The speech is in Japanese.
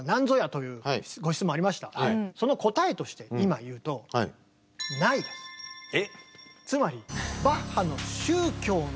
その答えとして今言うとえ？